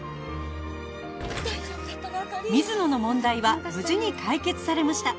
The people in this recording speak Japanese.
水野の問題は無事に解決されました